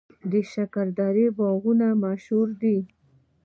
د شکردرې باغونه مشهور دي